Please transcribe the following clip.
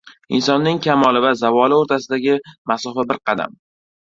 Insonning kamoli va zavoli o‘rtasidagi masofa bir qadam